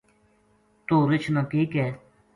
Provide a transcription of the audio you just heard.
توہ رچھ نا کے کہے